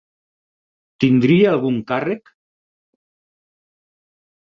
Tindria algun càrrec?